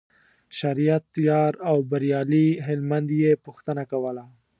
شریعت یار او بریالي هلمند یې پوښتنه کوله.